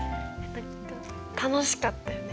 楽しかったよね。